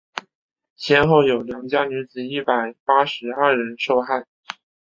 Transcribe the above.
先后有良家女子一百八十二人受害。